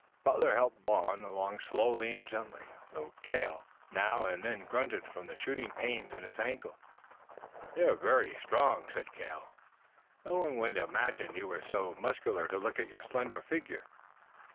Butler helped Vaughn along slowly and gently, though Cale now and then grunted from the shooting pains in his ankle. "You are very strong," said Cale. "No one would imagine you were so muscular to look at your slender figure."